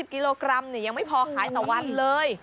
กิโลกรัมยังไม่พอขายต่อวันเลย